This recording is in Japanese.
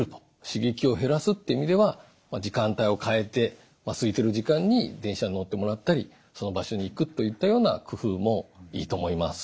刺激を減らすっていう意味では時間帯を変えてすいてる時間に電車に乗ってもらったりその場所に行くといったような工夫もいいと思います。